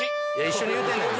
一緒に言うてんねん。